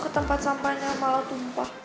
ke tempat sampahnya malah tumpah